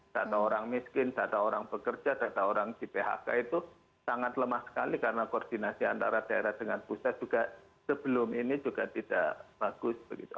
data orang miskin data orang bekerja data orang di phk itu sangat lemah sekali karena koordinasi antara daerah dengan pusat juga sebelum ini juga tidak bagus begitu